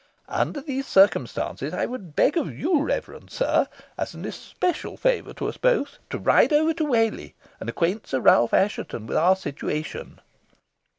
Under these circumstances, I would beg of you, reverend sir, as an especial favour to us both, to ride over to Whalley, and acquaint Sir Ralph Assheton with our situation."